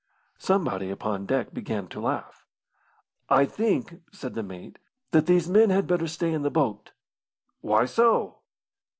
Somebody upon deck began to laugh. "I think," said the mate, "that these men had better stay in the boat." "Why so?"